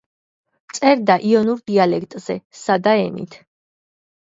წერდა იონიურ დიალექტზე, სადა ენით.